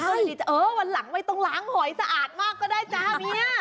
ใช่เออวันหลังไม่ต้องล้างหอยสะอาดมากก็ได้จ้าเมีย